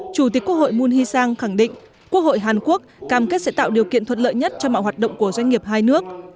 chủ tịch quốc hội moon hee sang khẳng định quốc hội hàn quốc cam kết sẽ tạo điều kiện thuận lợi nhất cho mọi hoạt động của doanh nghiệp hai nước